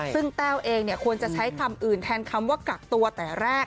ซึ่งแต้วเองควรจะใช้คำอื่นแทนคำว่ากักตัวแต่แรก